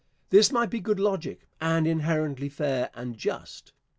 This might be good logic, and inherently fair and just.